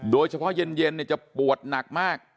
โดยเฉพาะเย็นจะปวดหนักมาก